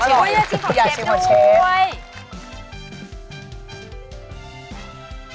เกิดจะชิมของเชฟดู